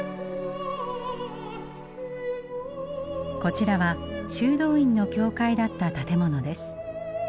こちらは修道院の教会だった建物です。